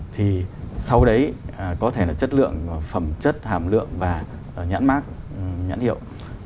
thì sau đấy có thể là chất lượng phẩm chất hàm lượng và nhãn mát nhãn hiệu